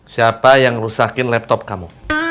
siapa yang rusakin laptop kamu